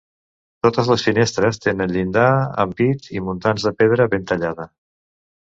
Totes les finestres tenen llinda, ampit i muntants de pedra ben tallada.